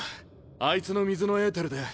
あいつの水のエーテルで。